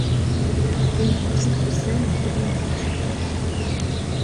Yiwwas deg wussan, iεedda-d yiwen weqjun.